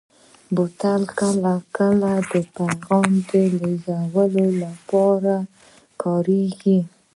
بوتل کله کله د پیغام لېږلو لپاره کارېږي.